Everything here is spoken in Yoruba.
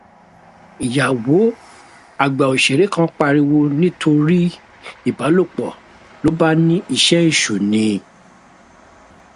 Ìyàwó àgbà òṣèré kan pariwo nítorí ìbálòpọ̀ ló bá ní iṣẹ́ èṣù ni.